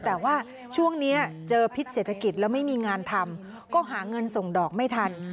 แต่ว่าช่วงนี้เจอพิษเศรษฐกิจแล้วไม่มีงานทำก็หาเงินส่งดอกไม่ทัน